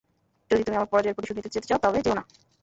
যদি তুমি আমার পরাজয়ের প্রতিশোধ নিতে যেতে চাও তবে যেয়ো না।